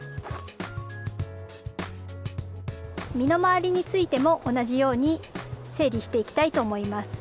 身の回りについても同じように整理していきたいと思います。